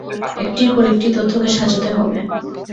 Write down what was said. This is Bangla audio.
একটির পর একটি তথ্যকে সাজাতে হবে।